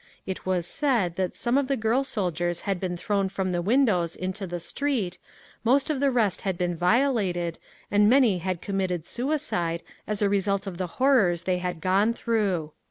It was said that some of the girl soldiers had been thrown from the windows into the street, most of the rest had been violated, and many had committed suicide as a result of the horrors they had gone through.